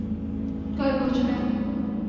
কয়েক বছর আগে।